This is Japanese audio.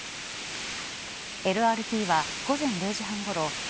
ＬＲＴは午前０時半ごろ